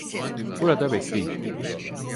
Burada bekleyin.